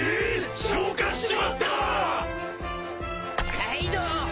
カイドウ！